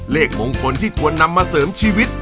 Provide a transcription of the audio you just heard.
เลขมงคลที่ควรนำมาเสริมชีวิต